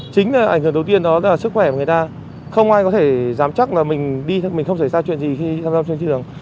chính là ảnh hưởng đầu tiên đó là sức khỏe của người ta không ai có thể dám chắc là mình đi mình không xảy ra chuyện gì khi xăm xăm trên chiều đường